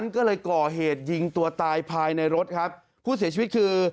ก็เลยก่อเหตุยิงตัวตายภายในรถครับผู้เสียชีวิตคือ